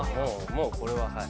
もうこれははい。